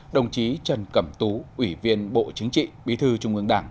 đồng chí trần cẩm tú ủy viên bộ chính trị bí thư trung ương đảng